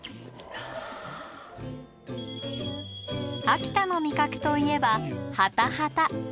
秋田の味覚といえばハタハタ。